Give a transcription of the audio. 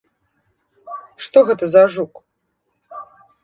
Што гэта за жук?